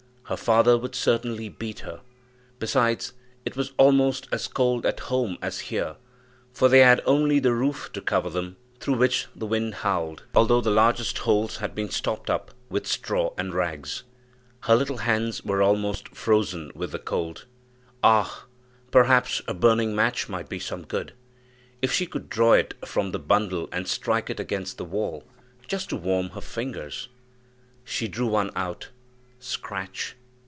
Her father would certainly beat her; besides, it was almost as cold at home as here, for they had only the roof to cover them, through which the wind howled, although the largest holes had been stopped up with straw and rags. Her little hands were almost frozen with the cold. Ah! perhaps a burning match might be some good, if she could draw it from the bundle and strike it against the wall, just to warm her fingers. She drew one out "scratch!"